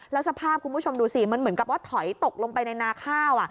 แล้วสภาพคุณผู้ชมดูสิมันเหมือนกับว่าถอยตกลงไปในนาข้าว